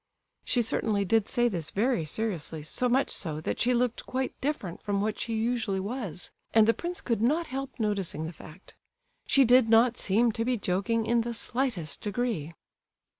She certainly did say this very seriously, so much so, that she looked quite different from what she usually was, and the prince could not help noticing the fact. She did not seem to be joking in the slightest degree.